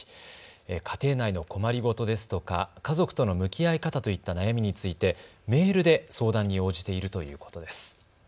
家庭内の困り事ですとか家族との向き合い方といった悩みについてメールで相談に応じているということです。